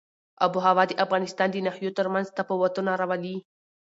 آب وهوا د افغانستان د ناحیو ترمنځ تفاوتونه راولي.